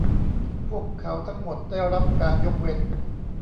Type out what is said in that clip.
พวกเขาทั้งหมดได้รับการยกเว้น